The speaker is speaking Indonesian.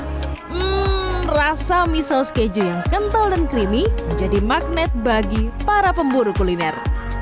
hmm rasa mie saus keju yang kental dan creamy menjadi magnet bagi para pemburu kuliner